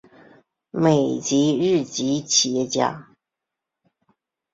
美籍日裔企业家。